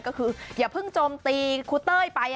ก็คืออย่าเพิ่งโจมตีครูเต้ยไป